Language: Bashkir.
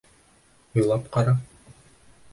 Уйлап ҡара!